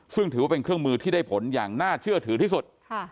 ซึ่งถือว่าเป็นเครื่องมือที่ได้ผลอย่างน่าเชื่อถือที่สุด